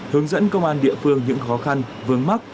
hướng dẫn công an địa phương những khó khăn vướng mắt